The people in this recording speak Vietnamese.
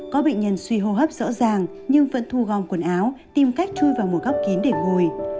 có bệnh nhân suy hô hấp rõ ràng nhưng vẫn thu gom quần áo tìm cách chui vào một góc kín để ngồi